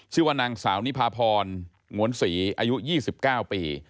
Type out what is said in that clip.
ชื่อว่านางสาวนิพาพรหงวนศรีอายุ๒๙ปี